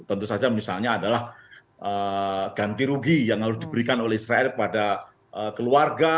tentu saja misalnya adalah ganti rugi yang harus diberikan oleh israel pada keluarga